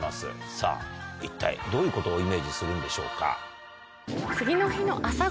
さぁ一体どういうことをイメージするんでしょうか？